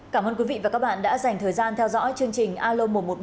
cảm ơn quý vị và các bạn đã dành thời gian theo dõi chương trình alo một trăm một mươi ba